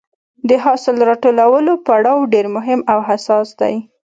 د حاصل راټولولو پړاو ډېر مهم او حساس دی.